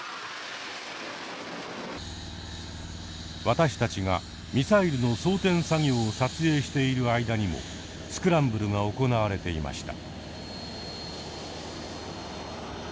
私たちがミサイルの装填作業を撮影している間にもスクランブルが行われていました。